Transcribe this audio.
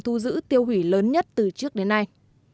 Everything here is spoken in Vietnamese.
thu giữ tiêu hủy lớn nhất từ trước đến nay